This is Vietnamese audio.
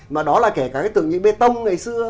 mà đó là kể cả cái tượng những bê tông ngày xưa